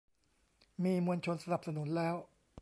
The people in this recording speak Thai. มีมวลชนสนับสนุนแล้ว